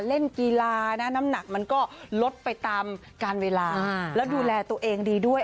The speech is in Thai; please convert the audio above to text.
เล่นกีฬานะน้ำหนักมันก็ลดไปตามการเวลาแล้วดูแลตัวเองดีด้วย